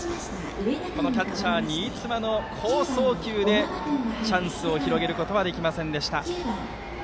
キャッチャー新妻の好送球でチャンスを広げることはできませんでした。